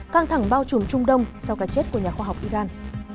căng thẳng bao trùm trung đông sau cái chết của nhà khoa học iran